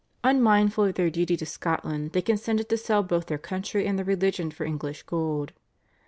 Unmindful of their duty to Scotland they consented to sell both their country and their religion for English gold.